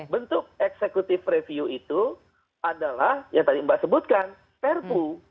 bentuk executive review itu adalah yang tadi mbak sebutkan perpu